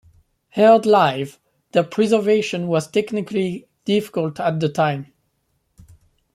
Aired live, their preservation was technically difficult at the time.